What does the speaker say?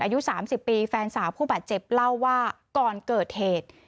อายุ๓๐ปีแฟนสาวผู้บาดเจ็บเล่าว่าก่อนเกิดเหตุ